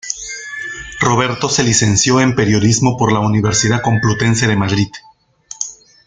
Roberto se licenció en periodismo por la Universidad Complutense de Madrid.